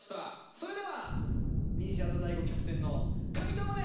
それでは西畑大吾キャプテンの解答まで。